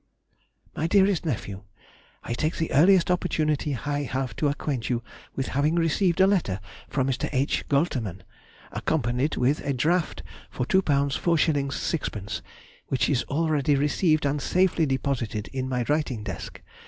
MY DEAREST NEPHEW,— I take the earliest opportunity I have to acquaint you with having received a letter from Mr. H. Goltermann, accompanied with a draft for £2 4_s._ 6_d._, which is already received and safely deposited in my writing desk.